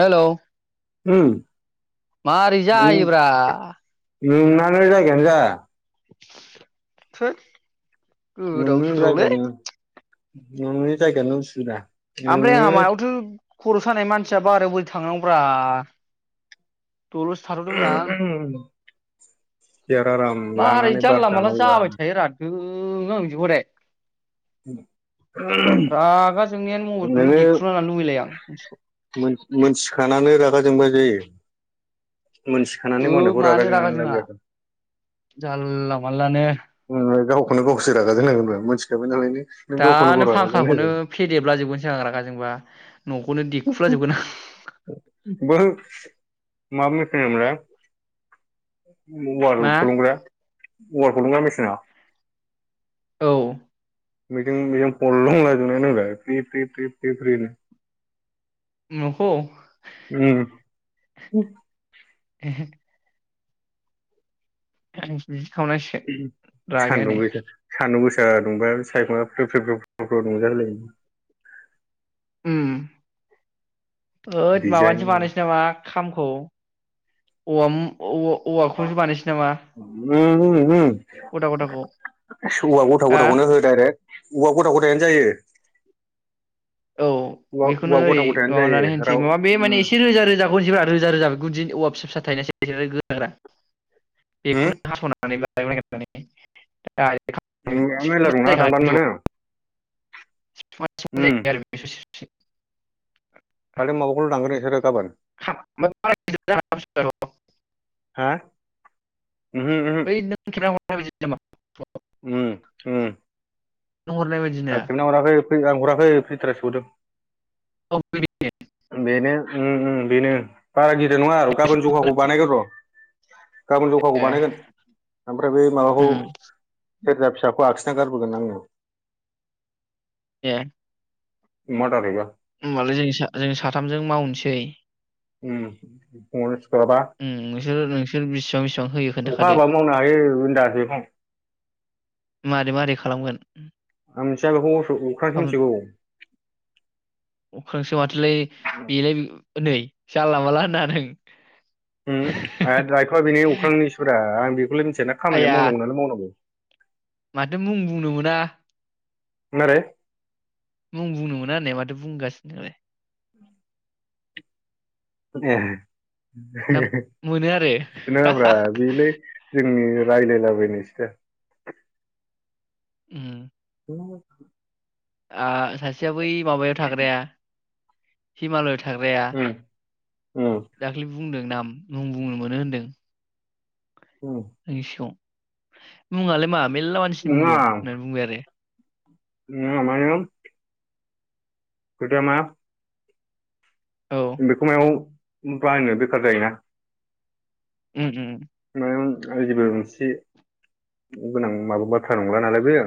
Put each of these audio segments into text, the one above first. हेल' उम मारै जायोब्रा नुनानै जायगायानो जाया थोत नोंनि जायगानि नोंनि जायगायानो उसुबिदा आमफ्राय आंहा नोङो मायावथो खर' सानाय मानसिया बारायाव बोरै थांनांगौब्रा दल'सो थाथ'दोंमोन आं सियार आराम मारै लानानै बार जानला मानला जानांगौबा जाबाय थायो रा धोइ। जोङो आं बिदिखौबाथाय रागा जोंनायानो मबाइलखौनो नोङो देख्रुबना लानो लुबैलाय आं मानसिखौ मोन-मोनथिखानानै रागा जोंबा जायो। [unintelligible] मोनथिखानानै मावनायखौ रागा जोंनानै लाब गैयाथ'। जालला मालला नो। नोंलाय गावखौनो गावसो रागा जोंनांगोनब्रा मिनथिखाबाय नालाय नों। गावखौनो गाव दानो रागा फांखाखौनो जोंनांगोन फेदेबला जोबगोनसो आं रागा जोंबा। न'खौनो देखुलाजोबगोन [unintelligible] [unintelligible] आं मा [unintelligible] औवा दिहुनग्रा मेसिना औ। [unintelligible] फ्रि फ्रि फ्रि फ्रि फ्रिनो न'खौ? उम। [unintelligible] [unintelligible] सान्दुं रागायानो गोसा सान्दुं गो [unintelligible] उम। ओद डिजाइन माबानोसो बानायसै नामा? खामखौ औवा मु औवा औवाखौसो बानायसै नामा? [unintelligible] गदा गदाखौ सौवा गथा हा गथाखौनो हो डाइरेक्ट औवा गथा गथायानो जायो। औ औवा बेखौनो औवा ओरै गथा गथायानो माबानानै जायो होनसै राव माबा बे माने एसे उम रोजा रोजाखौ होनोसैबा रोजा रोजा गुदि औवा फिसा फिसा थायोना एसे गोरा गोरा बेखौनो हास'नानै [unintelligible] ए औवाया मेरला दंना दानबानो मोनो। उम [unintelligible] [unintelligible] खालि माबाखौल' दानगोन इसोरो गाबोन। हा [unintelligible] उमहो उमहो बै नों [unintelligible] [unintelligible] उम उम। नों हरनाय बायदि ना आं खेबना हराखै आं हराखै फिथारासो हरदों। [unintelligible] बेनो उम उम बेनो। बारा गिदिर नङा आरो गाबोन जखाखौ बानायगोन र'। गाबोन जखाखौ बानायगोन ओमफ्राय बे माबाखौ सेरजा फिसाखौ आखिना गारबोगोन आंनो एह अमा आदार हैगोन होमबालाय जों सा जों साथामजों मावनोसै उम [unintelligible] उम नोंसोर नोंसोर बेसिबां बिसेबां होयो अखा खोनथाखादो हाबा मावनो हायो होनदासो बेखौ मारै मारै खालामगोन आं मिनथिआ बेखौ अस अखांसो मिथिगौ अखांसो माथोलाय बेलाय नै जानला मानला होननाङा नों उम आ दायथ'वआ बेनि अख्रांनिसो रां आं बेखौलाय [unintelligible] [unintelligible] खामानि आइया मावनांगौ नालाय मावनांगौ माथो मुं बुंनो मोना मारै मुं बुंनो मोना होननाया माथो बुंगासिनोलाय एह ना [unintelligible] मोनो आरो नोङाब्रा बेलाय जोंनि रायलायला बायनायसोदा उम [inaudible] आ सासेया बै माबायाव थाग्राया हिमालय थाग्राया दाख्लि बुंदों नाम बुंनो मोनो होनदों। आंनि सिगाङाव मुङालाय मा? मेल्ला मानसिनि मुं दं होननानै बुंबाय आरो [unintelligible] मायाव खोथाया मा औ बेखौ मायाव बाहायनो बेखार जायोना उम उम मायाव आजिबो मोनसे गोनां माबा बाथ्रा नंला नालाय बेयो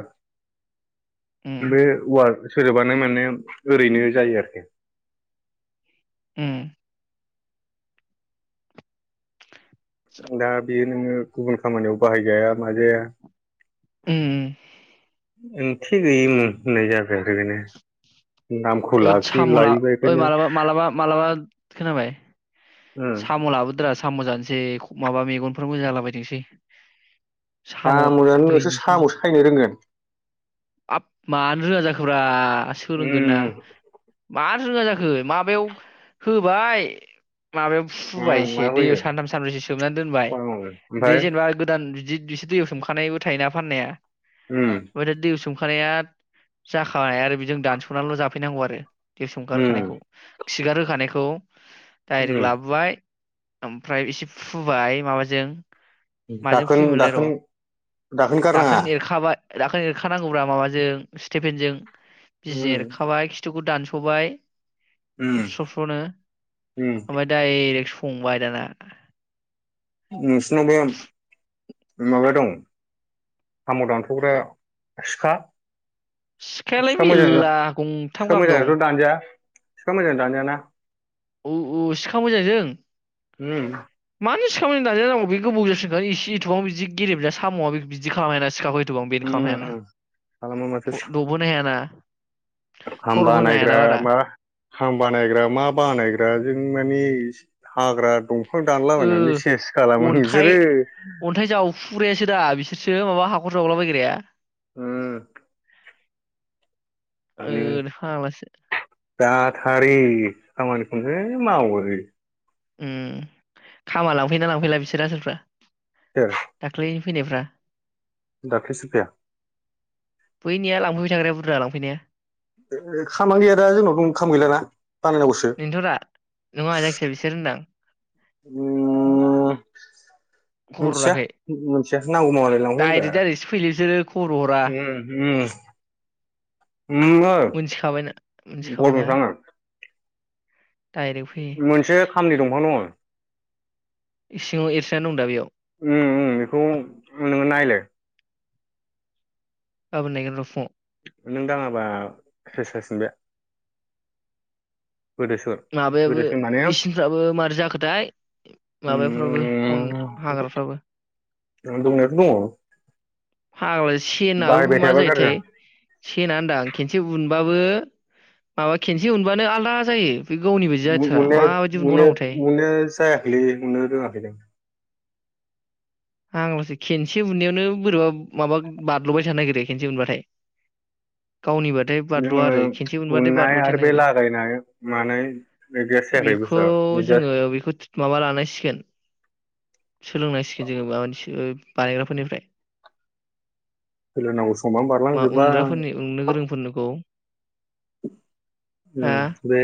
उम बे अवार्ड सोदोबानो माने ओरैनो जायो आरोखि उम दा बियो नोङो गुबुन खामानियाव बाहायजाया माजाया उम उम ओंथि गैयिमोन होननाय जाबाय आरो बेनो नामखौ ओइ लाखि सामला लायोबा ओइ बेखायनो मालाबा मालाबा मालाबा खोनाबाय उम साम' लाबोदो रा साम' जानोसै माबा मेगनफोर मोजां जालाबायथोंसै साम' साम'आनो नोंसो दैनि साम' सायनो रोंगोन आप मानो रोङा जाखो फुरा आं सोलोंगोना उम मा रोङा जाखो माबायाव होबाय माबायाव फुबाय उम मा एसे दैयाव होयो सानथाम सानब्रैसो सोबनानै दोनबाय उम बे ओमफ्राय जेनेबा गोदान बिदि बिसोर दैयाव सोमखानायबो थायोना फाननाया उम ओमफाय दा दैयाव सोम खानाया जाखाबाय आरो बेजों दानस'नानैल' जाफैनांगौ आरो बे उम संगारखानायखौ खिगार होखानायखौ उम डाइरेक्ट लाबोबाय ओमफ्राय इसे फुबाय माबाजों माजों दाखोन फुयोमोनलाय र' दाखोन दाखोन गारनाङा दाखोन एरखानांगौब्रा माबाजों स्टिफेनजों बिजि उम एरखाबाय खिथुखौ दानस'बाय उम थबस्र' थबस्रनो उम ओम दाय दायरेक संबाय दाना नोंसिनावबो माबा दं साम दानथग्रा सिखा सिखायालाय सिखा मेल्ला गंथाम मोजां गाहाम दं मोजांजोंथ दानजाया सिखा मोजांजों दानजायाना औ औ सिखा मोजां जों ओम मानो सिखांनानै दाज जानांगौ बे गोबावजों सिखां इसे इथटुबाव बिदि गेलेमज सामआ बिदि खालामजायाना सिखाखौ गोबां बेनो उम खालामनो हायाना उम। दबोनो हायाना थरम होनो हायाना खामबानायग्रा बारा मा खाम बानायग्रा मा बानायग्रा दा जों मानि हाग्रा दंफां दानलाबायनानै सेस ओ खालामो अन्थाइ नोंसोरो अन्थाइ जावफुग्रायासो दा बिसोरसो माबा हाखर जावलाबायग्राया। ओं ओ फाग्लासो जाथारै खामानि। ओंहो मावो उम खामा लांफैना लांफैला बिसोर आसोलफ्रा। सोर दाख्लै फैनायफ्रा? दाख्लैसो फैया बैनिया लांफैबाय थाग्राया। बुरजा लांफैनाया। खामा गैया दा जोंनावथ खाम गैलाना। बानायनांगौसो बेनोथ दा नोंङा जायखिजाया बिसोर होनदां। हो? मोनथिया नांगौबा मालाय लांफैगोन ब्रा डाइरेक्ट डाइरेक्टसो फैयोलै बिसोरो खबर हरा ओम मोनथिखाबायना मोनथिखाबायना ओम डाइरेक्ट फैयो। खामनि दंफां दङ इसिङाव एरसोननानै दं दा बेयाव। उम उम बेखौ [inaudible] गाबोन नायगोन र फुंआव। नों दाङाबा सेस जासिगोन बे। माबायाबो गोदोसो माने मेचिनफ्राबो मारै जाखोथाय उम माबाफ्राबो हन हाग्राफ्राबो। ओम दंनायाथ' दङ। फाग्ला सेनाबो बाहायबाय मा थायाबा गाज्रि जायोथाय सेन होनदां खेनसे उन उनबाबो माबा खेनसे उनबानो आलादा जायो। बे गावनि बायदि [unintelligible] जाथारा माबायदि उनबावनांगौथाय जायाखैलै उननो रोङाखै दां। आंलसै खनसे उनायावनो बोरैबा माबा बारल'बाय थानो नागिरो खेनसे उनबाथाय। गावनिबाथाय बारल'आ जोङो आरो खेनसे मोनबाथाय उननाय बारल'बाय आरो थानो बे नागेरो लागायनाय मानाय बिदियासो जायाखै बेखौ बुस्थुआ बिदिया जोङो बेखौ माबा लानांसिगोन। सोलोंलाइ। जेनेबा मोनसिगोन। बानायग्राफोरनिफ्राय। सोलोंनांगौ समानो मा बारलांजोबबाय उनग्राफोरनि उननो गोरोंफोरनिखौ। हा ओम बे।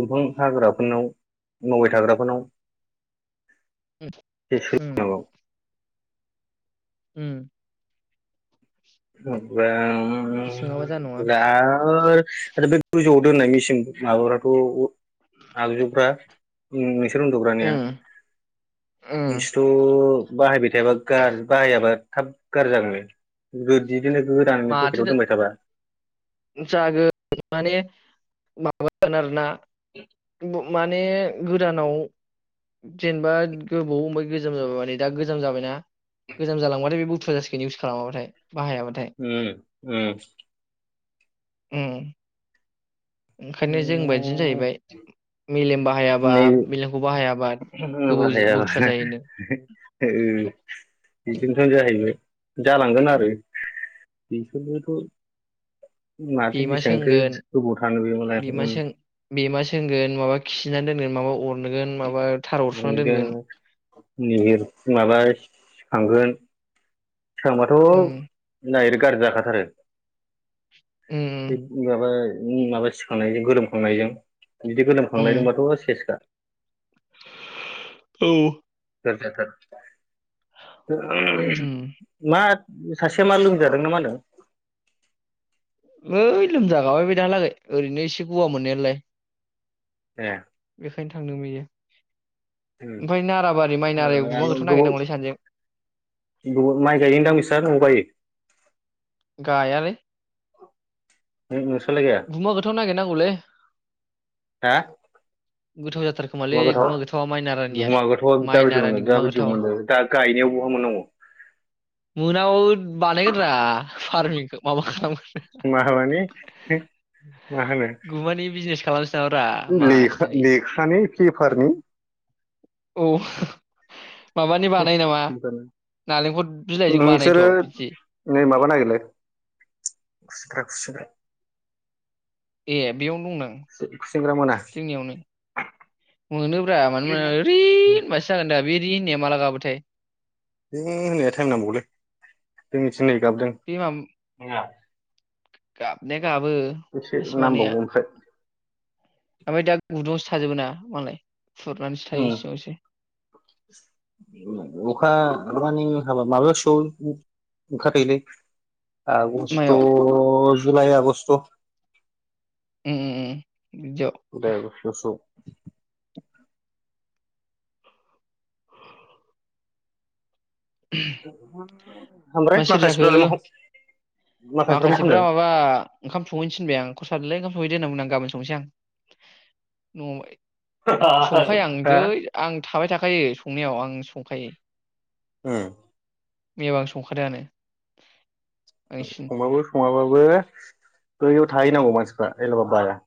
दंफां हाग्राफोरनाव मावबाय थाग्राफोरनाव। एसे ओम। सोलोंनांगौ उम। [inaudible] बे सोङाबा जानाय नङा गोजौआव दोननाय मेसिन माबाफोरखौ आगजुफ्रा। [inaudible] बिसोर उन्दुग्रानिया उम उम नोंसोरथ' बाहायबाय थायाबा गा बाहायाबा थाब गार्जि [inaudible] माथो जागोन माने माबा जागोन आरो ना! माने गोदानाव जेनेबा गोबाव ओमाय गोजाम जाबाय माने दा गोजाम जाबायना गोजाम जालांबाथाय बे बुथुवा जासिगोन इउस खालामाबाथाय बाहायाबाथाय उम उम। ओम। ओंखायनो जों बायदिनो जाहैबाय मेलेमबा। हायाबा बिलेमखौबो बाहाया [unintelligible] गालांगोन आरो बिसोरबोथ' बेमा सोंगोन बेमालाय बेमा उम सों-सोंगोन नङाबा खिगोन बिनानै दोनगोन माबा अर मोनगोन निहिर मालाय। थांगोन। सोरांबाथ' उम नागोर गाज्रि जाखाथारो। [unintelligible] उम माबा सिखांनायजों गोलोमखांनायजों बिदि उम गोलोमखांलायदोंबाथ' सेसखा। औ। [unintelligible] उम [inaudible] मा सासेया मा लोंजादों ना मा होनदों? ओइ लोमजागाबाय बे दहालागै ओरैनो एसे गगा मोननायानोलाय। ए। [unintelligible] उम ओमफ्राय नाराबारि माइ ओ नारायाव गुमा आरो गोथाव गोबाव नागिरनांगौलै सानैजों बहुद माइ गायोदां नोंस्रा नआव गायो? गायालै। [unintelligible] गुमा गोथाव नागिरनांगौलै। हा गोथाव जाथारोखोमालै गुमा गोथावा माइ नारानिया, गुमा गोथावा माइ दाबायदि मोनो नारानि गुमा दाबायदि गोथाव। मोनो दा गायनायाव बहा मोननांगौ मोनाबाबो बानायगोन रा फारमिंखौ माबा खालामगोन। माबानि मा होनो [unintelligible] लेखा मासथोनि लेखानि पेपारनि? औ। माबानि बानायो नामा नालेंखर बिलाइजों नोंसोरो बानायोथ' बिदि नै माबा नागिरलै खुसेंग्रा खुसेंग्रा। एह। बेयावनो दं दां खुसिंग्रा मोना जोंनियावनो, मोनोब्रा मानो बे मोना ओरै होनबासो जागोन दा बे री होन्नाया माला गाबोथाय? नोंनि होन्नाया टाइम नांबावगौलै, जोंनि दिनै गाबदों। बे माबा गाबनाया गाबो एसे मासे मानैया नांबावगौ ओमफ्राय। ओमफ्राय दा गुदुंवावसो थाजोबो ना मालाय खुरनानैसो थायो सिङावसो उम अखा मानि हाबा माबासोआव ओंखारहैयोलै आगस्थ' मायाव जुलाय, आगस्ट। उम उम उम। बिदियाव [unintelligible] ओमफ्राय मा सोर जाखो माखासेफ्रालाय मा मा माखासेफ्रा खालामदों माबा ओंखाम संहैनो थिनबाय आं खर' सादोंलै ओंखाम संहैदो होनना बुंदों आं, गाबोन संनोसै आं न'आव संखायो आं जै आं [unintelligible] थाबाय थाखायो संनायाव आं संखायो। उम। मैयाबो आं संखादोंआनो। बांसिन संबाबो सङाबाबो बो ओइयाव थाहैनांगौ मानसिफ्रा एलाबा बाया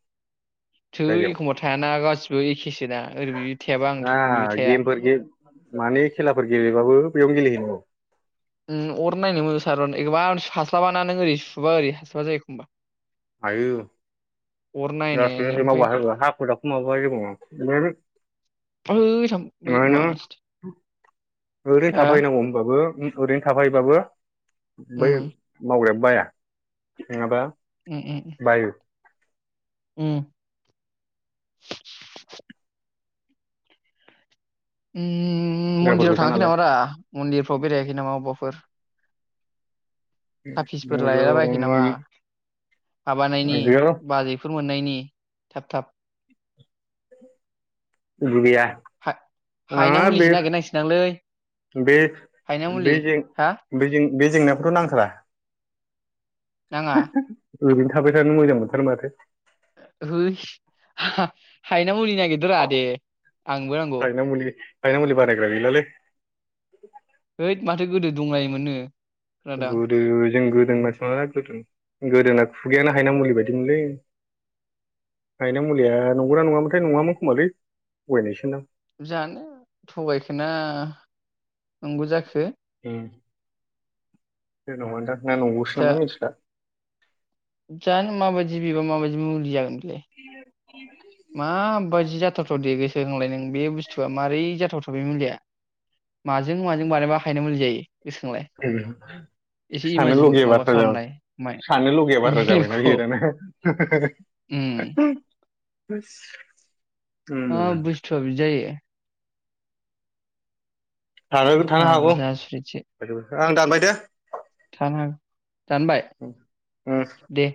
थै एखमबा थायाना गासिबो एखेसो दा गेमफोर गे माने खेलाफोर गेलेबाबो बेयावनो गेलेहैनांगौ उम अर नायनो मोजां सार एखबा हास्लाबाना नों ओरै सुबा ओरै हास्लाबा जायो एखमबा हायो अर लासै नायनाय लासै मावबा ओमफ्राय हायो हाखु दाखुखौ माबा मा ओइ थाम बै होनो मास ओरैनो हो थाफायनांगौ होनबाबो ओरैनो थाफायोबाबो बै उम मावग्राया बाया नङाबा उम उम बायो उम [unintelligible] उम हिनजावफोर मन्दिराव गोजा थांङाखै नालाय नामा ब्रा मन्दिरफ्राव बेरायाखै नामा अबावबाफोर? थाफिसफोर लायला बाखै नामा माबानायनि गैयाल' बाजैफोर मोननायनि थाब थाब गैया हा हायना ओ बे मुलिसो नागिरनांसिगोनदांलै बे हायना मुलि बेजों हा बेजों बे जेंनाखौथ' नांखाला नाङा [unintelligible] ओरैनो थाबाय थानो मोजां मोनथारो माथो होयस हा-हायना मुलि नागिरदो रा दे आंनोबो नांगौ हायना मुलि हायना मुलि बानायग्रा गैलालै हैओद माथो गोदो दंलायोमोननो। खोनादों गोदो जों गोदो गोदो मानसि ना गोदो गोदोना खुगायानो हायना मुलि बायदिमोनलै हायना मुलिया नंगौना नङामोनथाय नङामोन खोमालै थगायनायसोदां जानो थगायखोना नंगौ जाखो उम जेनबा दा ना नंगौसो जा नामा मिथिला जानो माबादि माबादि मुलि बिबा [inaudible] [inaudible] मा बादि जाथावथाव दे बे दे होनलाय नों बे बुस्थुआ मारै जाथावथाव बे मुलिया माजों माजों बानायबा हायना मुलि जायो गोसोखांलाय एसे सानो इमाजिन लगिया माबा बाथ्रा जाबाय खालामलाय फंबाय सानो लगिया बाथ्रा जाबायना मेलेमखौ बियो दाना उम हो सि अ' बुसथ'आ बिदि जायो। [unintelligible] थानोबो थानो हागौ फाग्ला जासुरिसो आं दानबाय दे थानो हागौ दानबाय उ उम दे